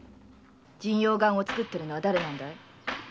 神陽丸を作ってるのは誰なんだい？